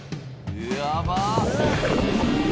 やばっ！